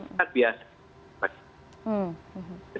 itu adalah proses yang biasa